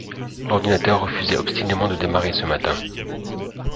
L'ordinateur refusait obstinément de démarrer ce matin.